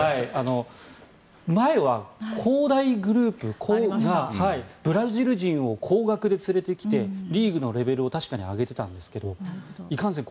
前は広大グループがブラジル人を高額で連れてきてリーグのレベルを確かに上げていたんですけどいかんせん恒